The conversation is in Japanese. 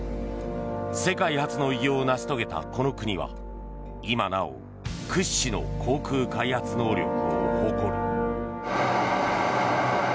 世界初の偉業を成し遂げたこの国は今なお屈指の航空開発能力を誇る。